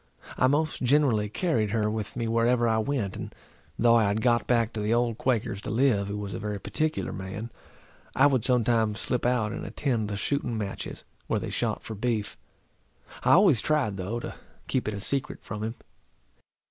I most generally carried her with me whereever I went, and though I had got back to the old Quaker's to live, who was a very particular man, I would sometimes slip out and attend the shooting matches, where they shot for beef; I always tried, though, to keep it a secret from him.